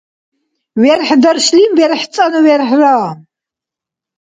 верхӀдаршлим верхӀцӀанну верхӀра